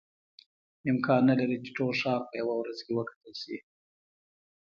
امکان نه لري چې ټول ښار په یوه ورځ کې وکتل شي.